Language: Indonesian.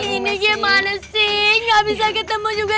ini gimana sih gak bisa ketemu juga